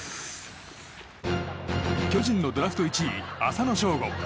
巨人のドラフト１位浅野翔吾。